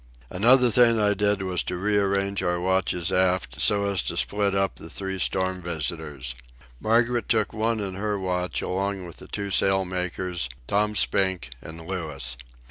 Another thing I did was to rearrange our watches aft so as to split up the three storm visitors. Margaret took one in her watch, along with the two sail makers, Tom Spink, and Louis.